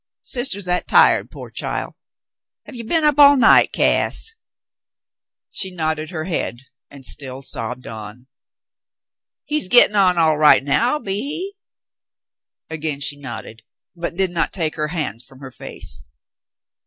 Sister's that tired, pore child ! Have ye been up all night, Cass ?" She nodded her head and still sobbed on. "He's gettin' on all right now, be he ?" Again she nodded, but did not take her hands from her face.